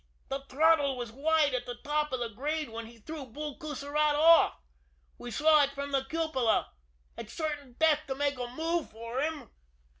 The throttle was wide at the top of the grade when he threw Bull Coussirat off. We saw it from the cupola. It's certain death to make a move for him!"